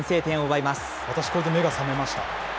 私これで目が覚めました。